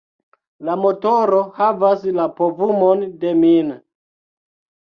La motoro havas la povumon de min.